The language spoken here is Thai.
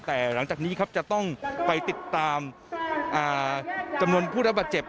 แต่หลังจากนี้ครับจะต้องไปติดตามจำนวนผู้รับบาดเจ็บ